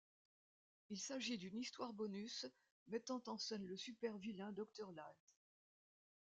Il s'agit d'une histoire bonus mettant en scène le super-vilain Docteur Light.